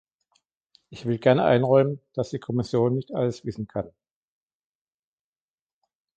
Ich will gerne einräumen, dass die Kommission nicht alles wissen kann.